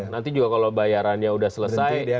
nanti juga kalau bayarannya sudah selesai